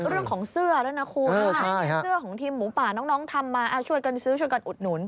เรื่องของเสื้อด้วยนะคุณเสื้อของทีมหมูป่าน้องทำมาช่วยกันซื้อช่วยกันอุดหนุน